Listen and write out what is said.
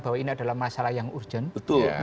bahwa ini adalah masalah yang urgent